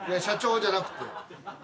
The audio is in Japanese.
社長じゃなくて。